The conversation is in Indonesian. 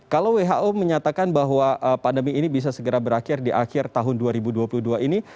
kalau who menyatakan bahwa pandemi ini bisa segera berakhir di akhir tahun dua ribu dua puluh dua ini